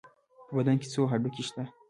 په بدن کې څو هډوکي شته؟